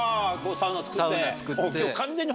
サウナ作って。